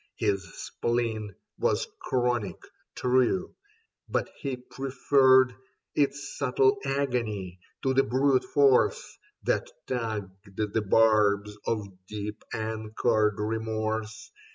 His spleen was chronic, true ; but he preferred Its subtle agony to the brute force That tugged the barbs of deep anchored remorse.